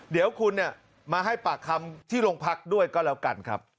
เดี๋ยวคุณมาให้ปากคำที่โรงพักด้วยก็แล้วกันครับ